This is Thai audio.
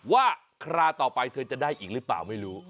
คราวต่อไปเธอจะได้อีกหรือเปล่าไม่รู้